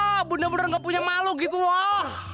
ah bener bener nggak punya malu gitu wah